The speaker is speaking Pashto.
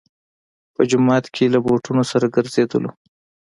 په جومات کې له بوټونو سره ګرځېدلو.